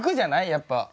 やっぱ。